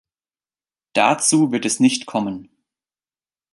Dazu wird es nicht kommen.